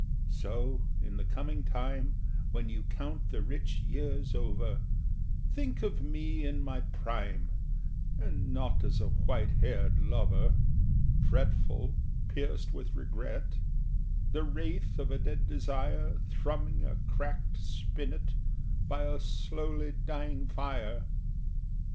So, in the coming time, when you count the rich years over, Think of me in my prime, and not as a white haired lover, Fretful, pierced with regret, the wraith of a dead Desire Thrumming a cracked spinet by a slowly dying fire.